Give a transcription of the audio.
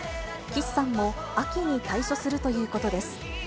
岸さんも秋に退所するということです。